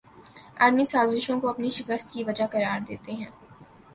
عالمی سازشوں کو اپنی شکست کی وجہ قرار دیتے ہیں